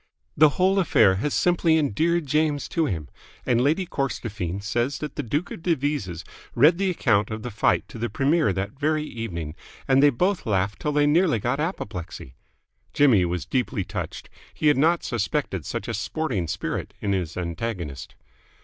The whole affair has simply endeared James to him, and Lady Corstorphine says that the Duke of Devizes read the account of the fight to the Premier that very evening and they both laughed till they nearly got apoplexy." Jimmy was deeply touched. He had not suspected such a sporting spirit in his antagonist.